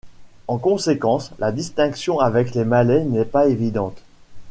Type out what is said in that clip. En conséquence, la distinction avec les Malais n'est pas évidente.